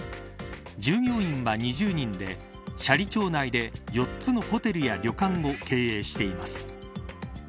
従業員は２０人で斜里町内で４つのホテルや旅館を経営しています。